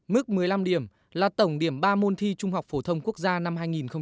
mức một mươi năm điểm là tổng điểm ba môn thi trung học phổ thông quốc gia năm hai nghìn một mươi tám